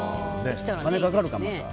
金かかるか、また。